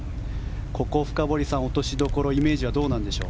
ここ、深堀さん落としどころ、イメージはどうなんでしょう。